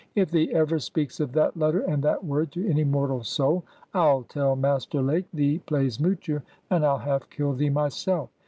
"If thee ever speaks of that letter and that word to any mortal soul, I'll tell Master Lake thee plays moocher, and I'll half kill thee myself.